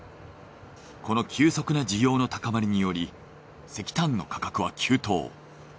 この急速な需要の高まりにより石炭の価格は急騰。